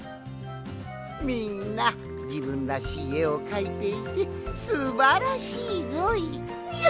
みんなじぶんらしいえをかいていてすばらしいぞい！